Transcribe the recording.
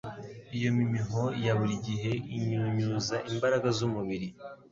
Iyo mimho ya buri gihe inyunyuza imbaraga z'umubiri.